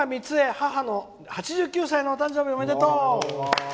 母の８９歳の誕生日おめでとう！